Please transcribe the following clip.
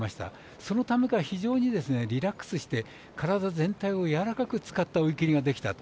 そのためか非常にリラックスして、体全体をやわらかく使った追い切りができたと。